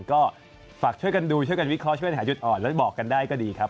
ก็ฝากช่วยกันดูช่วยกันวิเคราะห์ช่วยหาจุดอ่อนแล้วบอกกันได้ก็ดีครับ